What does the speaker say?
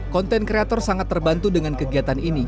konten kreator sangat terbantu dengan kegiatan ini